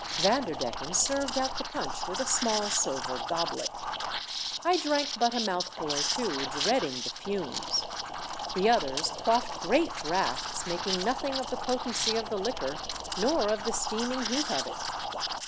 Vanderdecken served out the punch with a small silver goblet. I drank but a mouthful or two, dreading the fumes. The others quaffed great draughts, making nothing of the potency of the liquor, nor of the steaming heat of it.